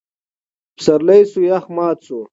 پسرلی شو؛ يخ مات شو.